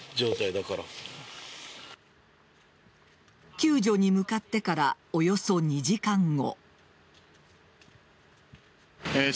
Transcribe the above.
救助に向かってからおよそ２時間後。